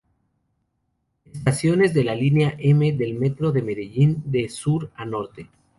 Estaciones de la Línea M del Metro de Medellín de sur a norte.